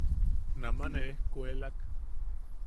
Nama ne ejkuelak.